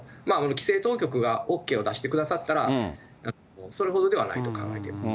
規制当局がＯＫを出してくださったら、それほどではないと考えております。